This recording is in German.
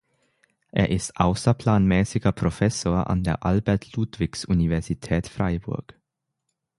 Er ist außerplanmäßiger Professor an der Albert-Ludwigs-Universität Freiburg.